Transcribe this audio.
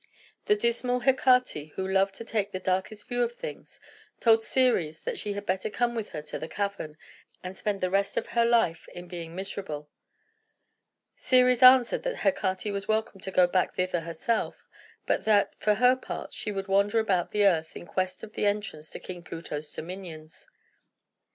The dismal Hecate, who loved to take the darkest view of things, told Ceres that she had better come with her to the cavern, and spend the rest of her life in being miserable. Ceres answered that Hecate was welcome to go back thither herself, but that, for her part, she would wander about the earth in quest of the entrance to King Pluto's dominions.